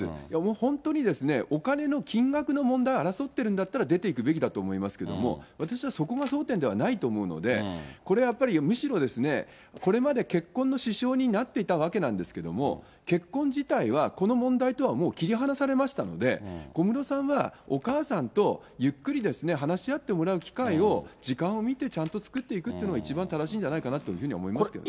本当にお金の金額の問題を争ってるんだったら出ていくべきだと思いますけれども、私はそこが争点じゃないと思うので、これやっぱり、むしろですね、これまで結婚の支障になっていたわけなんですけれども、結婚自体はこの問題とはもう切り離されましたので、小室さんはお母さんとゆっくり話し合ってもらう機会を、時間を見てちゃんと作っていくっていうのが一番正しいんじゃないかなというふうには思いますけどね。